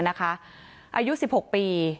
อายุสิบหกปี